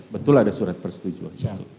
betul ada surat persetujuan